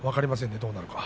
どうなるか。